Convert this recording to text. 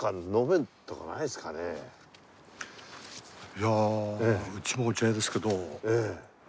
いやあうちもお茶屋ですけど。